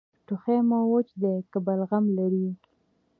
ټوخی مو وچ دی که بلغم لري؟